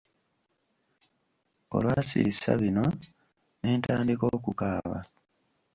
Olwasirissa bino ne ntandika okukaaba.